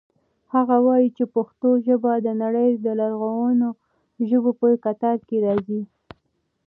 هغه وایي چې پښتو ژبه د نړۍ د لرغونو ژبو په کتار کې راځي.